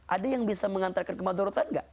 ada yang bisa mengantarkan kemadhorotan gak